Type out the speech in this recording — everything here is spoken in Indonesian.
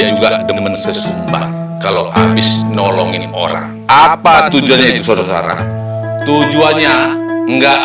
juga demen sesumbang kalau habis nolongin orang apa tujuannya itu soal soalan tujuannya enggak